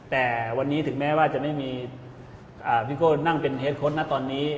แต่วันนี้ถึงแม้ว่าจะไม่มีพี่โก้นั่งเป็นเฮดโค้ดนะตอนนี้